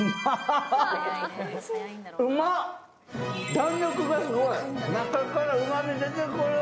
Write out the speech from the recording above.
弾力がすごい、中からうまみ出てくる。